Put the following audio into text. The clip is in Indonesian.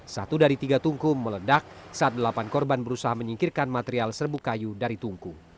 satu dari tiga tungku meledak saat delapan korban berusaha menyingkirkan material serbuk kayu dari tungku